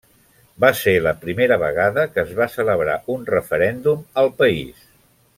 Va ser la primera vegada que es va celebrar un referèndum al país.